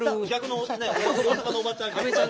大阪のおばちゃん。